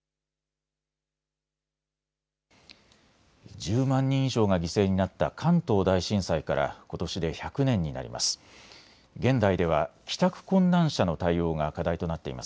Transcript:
１０万人以上が犠牲になった関東大震災からことしで１００年になります。